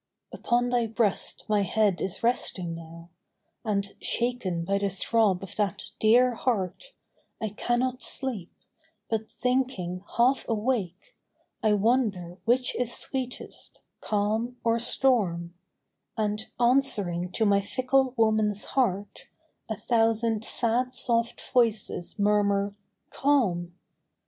Upon thy breast my head is resting now, And, shaken by the throb of that dear heart, I cannot sleep, but thinking, half awake, I wonder which is sweetest, calm or storm, And, answering to my fickle woman's heart, A thousand sad soft voices murmur " Calm